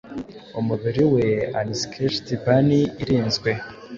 Umubiri we unscathèd burnie irinzwe